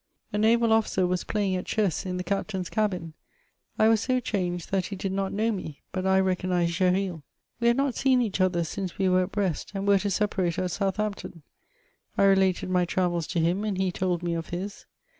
A naval officer was playing at chess in the captain's cabin ; I was so changed that he did not know me; 4 but I recognised GesriL We had not seen eadi other since we were at Brest ; and were to separate at Southampton. I re lated my travds to him, and he told me of his.